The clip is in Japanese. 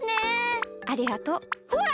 ありがとう。ほら！